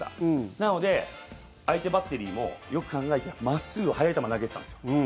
なので相手バッテリーもよく考えて真っすぐの速い球投げてたんですよ。